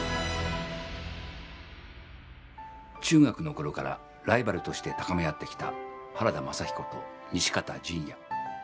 中学の頃からライバルとして高め合ってきた原田雅彦と西方仁也。